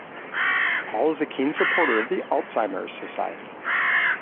Paul is a keen supporter of the Alzheimer's Society.